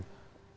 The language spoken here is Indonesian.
nah seperti itu